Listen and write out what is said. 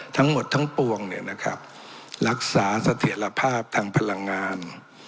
ทั้งหมดทั้งปวงเนี่ยนะครับรักษาเสถียรภาพทางพลังงาน